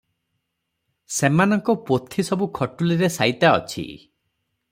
ସେମାନଙ୍କ ପୋଥି ସବୁ ଖଟୁଲିରେ ସାଇତା ଅଛି ।